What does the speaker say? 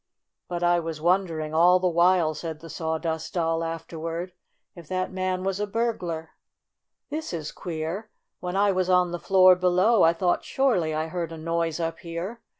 "But I was wondering, all the while," said the Sawdust Doll afterward, "if that man was a burglar. 5 ' "This is queer! When I was on the floor below I thought surely I heard a noise up here !